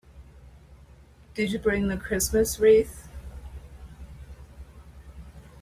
Did you bring the Christmas wreath?